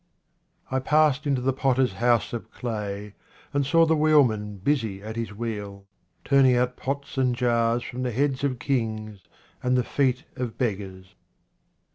I PASSED into the potter's house of clay, and saw the wheelman busy at his wheel, turning out pots and jars from the heads of kings and the feet of beggars.